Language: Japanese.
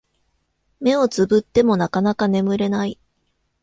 目をつぶってもなかなか眠れない